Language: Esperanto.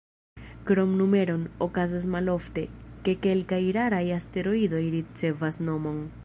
Krom numeron, okazas malofte, ke kelkaj raraj asteroidoj ricevas nomon.